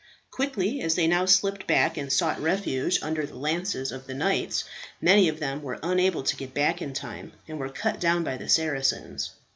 Quickly as they now slipped back and sought refuge under the lances of the knights, many of them were unable to get back in time, and were cut down by the Saracens.